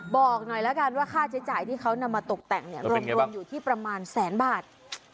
บอกหน่อยแล้วกันว่าค่าใช้จ่ายที่เขานำมาตกแต่งรวมอยู่ที่ประมาณแสนบาท